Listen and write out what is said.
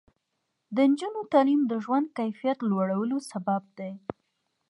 د نجونو تعلیم د ژوند کیفیت لوړولو سبب دی.